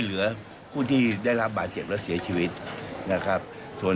ส่วนเรื่องของการทำผิดนั่นก็เป็นเรื่องของการสอบสวน